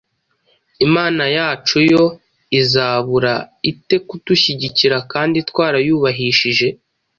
Imana yacu yo izabura ite kudushyigikira kandi twarayubahishije